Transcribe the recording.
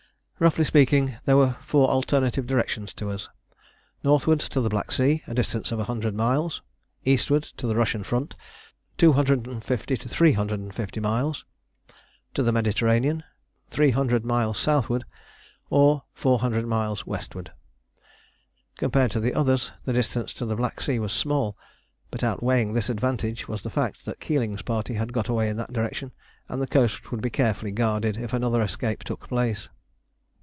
Roughly speaking, there were four alternative directions open to us. Northwards to the Black Sea, a distance of 100 miles; eastwards to the Russian front, 250 to 350 miles; to the Mediterranean, 300 miles southward, or 400 miles westward. Compared to the others the distance to the Black Sea was small, but outweighing this advantage was the fact that Keeling's party had got away in that direction, and the coast would be carefully guarded if another escape took place.